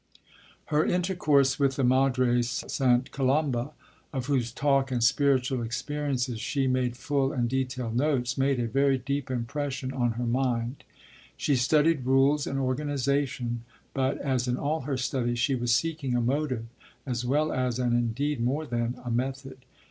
Her intercourse with the Madre Sta. Colomba, of whose talk and spiritual experiences she made full and detailed notes, made a very deep impression on her mind. She studied rules and organization, but, as in all her studies, she was seeking a motive, as well as, and indeed more than, a method.